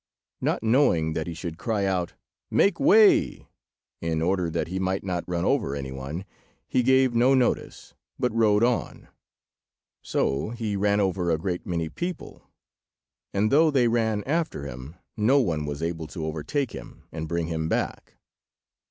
Not knowing that he should cry out "Make way!" in order that he might not run over any one, he gave no notice, but rode on. So he ran over a great many people; and though they ran after him, no one was able to overtake him and bring him back.